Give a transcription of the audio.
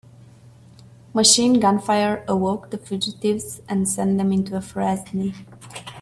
Machine gun fire awoke the fugitives and sent them into a frenzy.